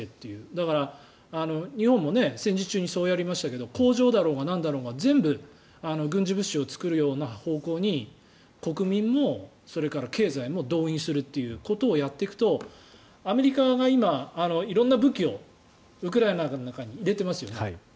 だから、日本も戦時中にそうやりましたけど工場だろうがなんだろうが全部軍事物資を作るような方向に国民も、それから経済も動員するということをやっていくとアメリカが今、色んな武器をウクライナの中に入れてますよね。